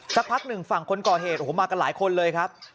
สักพักหนึ่งฝั่งคนก่อเหตุโอ้โหมากันหลายคนเลยครับ